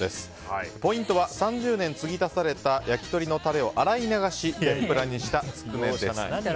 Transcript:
ポイントは３０年継ぎ足された焼き鳥のタレを洗い流し天ぷらにしたつくねです。